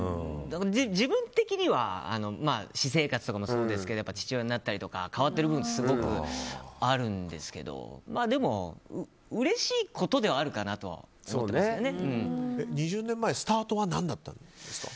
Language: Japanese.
自分的には私生活とかもそうですけど父親になったりとか変わってる部分ってすごくあるんですけどでも、うれしいことでは２０年前スタートは何だったんですか？